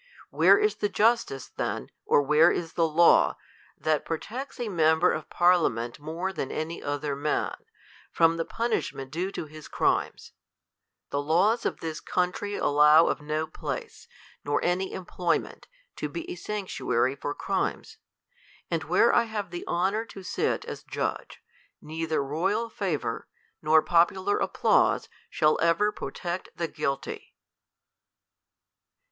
Where is the justice, then, or where is the law, that ^.roiccts a mem ber of parliament more than any other man, from the punishment due to his crimes ? The laws of t]}i3 coun try allow of no place, nor any employment, to be a sanctuary for crimes ; and where I have the honor to sit as judge, neither royal favour, nor popular applause shall ever protect the guilty.